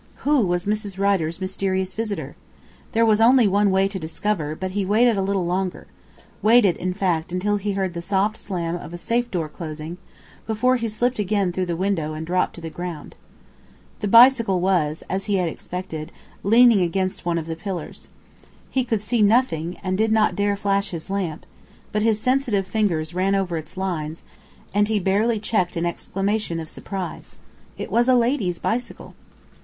Who was Mrs. Rider's mysterious visitor? There was only one way to discover, but he waited a little longer waited, in fact, until he heard the soft slam of a safe door closing before he slipped again through the window and dropped to the ground. The bicycle was, as he had expected, leaning against one of the pillars. He could see nothing, and did not dare flash his lamp, but his sensitive fingers ran over its lines, and he barely checked an exclamation of surprise. It was a lady's bicycle!